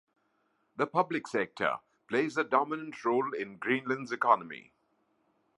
The public sector plays a dominant role in Greenland's economy.